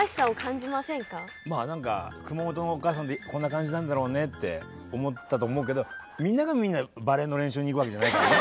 まあ何か熊本のお母さんってこんな感じなんだろうねって思ったと思うけどみんながみんなバレーの練習に行くわけじゃないからね。